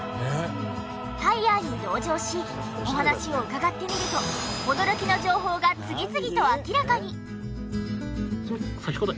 ハイヤーに同乗しお話を伺ってみると驚きの情報が次々と明らかに！